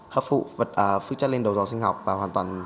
hấp phụ phước chất lên đồ giò sinh học và hoàn toàn